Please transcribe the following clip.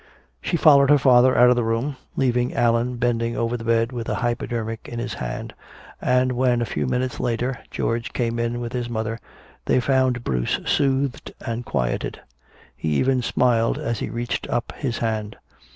She followed her father out of the room, leaving Allan bending over the bed with a hypodermic in his hand. And when, a few moments later, George came in with his mother, they found Bruce soothed and quieted. He even smiled as he reached up his hand.